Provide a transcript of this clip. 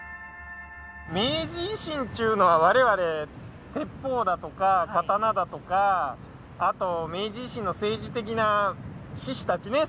明治維新っちゅうのは我々鉄砲だとか刀だとかあと明治維新の政治的な志士たちね。